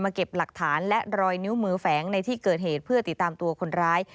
เก็บหลักฐานและรอยนิ้วมือแฝงในที่เกิดเหตุเพื่อติดตามตัวคนร้าย